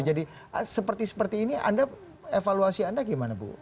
jadi seperti seperti ini evaluasi anda gimana bu